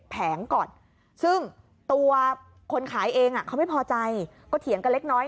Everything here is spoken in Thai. แผงก่อนซึ่งตัวคนขายเองเขาไม่พอใจก็เถียงกันเล็กน้อย